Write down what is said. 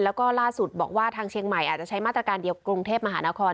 แล้วก็ล่าสุดบอกว่าทางเชียงใหม่อาจจะใช้มาตรการเดียวกรุงเทพมหานคร